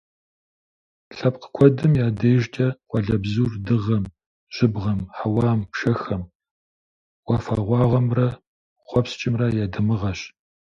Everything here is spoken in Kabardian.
Лъэпкъ куэдым я дежкӀэ къуалэбзур дыгъэм, жьыбгъэм, хьэуам, пшэхэм, уафэгъуагъуэмрэ хъуэпскӀымрэ я дамыгъэщ.